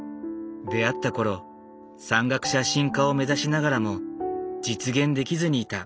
出会った頃山岳写真家を目指しながらも実現できずにいた。